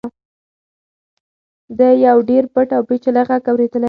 ده یو ډېر پټ او پېچلی غږ اورېدلی و.